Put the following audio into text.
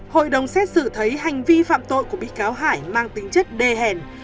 hội đồng xét xử thấy hành vi phạm tội của bị cáo hải mang tính chất đê hèn